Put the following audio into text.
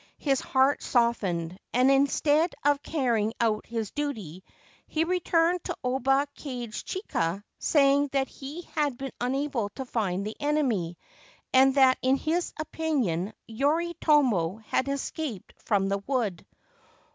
His heart softened, and, instead of carrying out his duty, he returned to Oba Kage chika, saying that he had been unable to find the enemy, and that in his opinion Yoritomo had escaped from the wood.